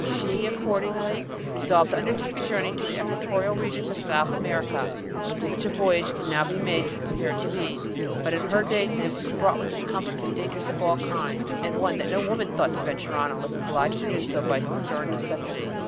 She accordingly resolved to undertake a journey to the equatorial regions of South America. Such a voyage can now be made with comparative ease, but in her days it was fraught with discomforts and dangers of all kinds, and one that no woman thought to venture on unless obliged to do so by stern necessity.